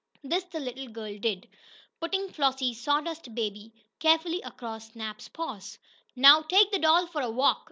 This the little girl did, putting Flossie's "sawdust baby" carefully across Snap's paws. "Now take the doll for a walk!"